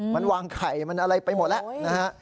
มันวางไข่มันอะไรไปหมดแล้วนะฮะ